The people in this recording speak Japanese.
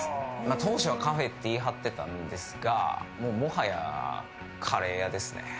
当初はカフェって言い張ってたんですがもはやカレー屋ですね。